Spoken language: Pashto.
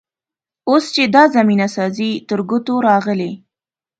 اوس چې دا زمینه سازي تر ګوتو راغلې.